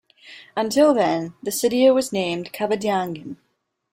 Until then, the sitio was named Cabadyangan.